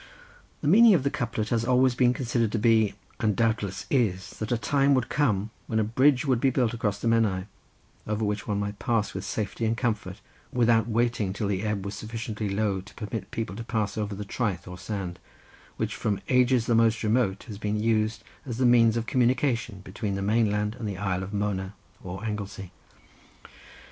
The meaning of the couplet has always been considered to be and doubtless is, that a time would come when a bridge would be built across the Menai, over which one might pass with safety and comfort, without waiting till the ebb was sufficiently low to permit people to pass over the traeth, or sand, which, from ages the most remote, had been used as the means of communication between the mainland and the Isle of Mona or Anglesey.